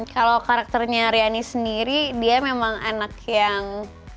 kalau karakternya riani sendiri dia memang anak yang